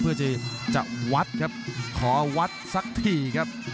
เพื่อที่จะวัดครับขอวัดสักทีครับ